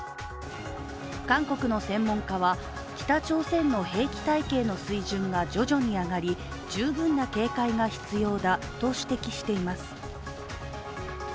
韓国の専門家は、北朝鮮の兵器体系の水準が徐々に上がり十分な警戒が必要だと指摘しています。